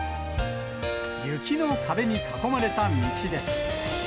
雪の壁に囲まれた道です。